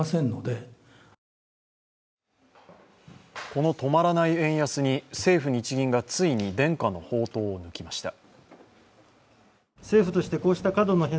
この止まらない円安に政府・日銀がついに伝家の宝刀を抜きました。